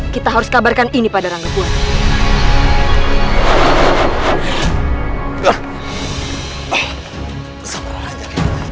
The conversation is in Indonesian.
kita harus kabarkan ini pada rangkuan